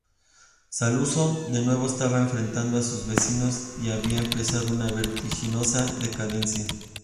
Saluzzo de nuevo estaba enfrentada a sus vecinos y había empezado una vertiginosa decadencia.